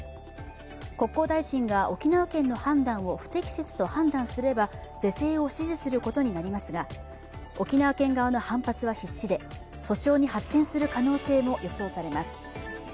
国交大臣が沖縄県の判断を不適切と判断すれば是正を指示することになりますが、沖縄県側の反発は必至で訴訟に発展するおそれがあります。